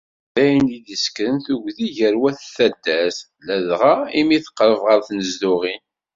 D ayen i isekkren tuggdi gar wat n taddart, ladɣa imi teqreb ɣer tnezduɣin.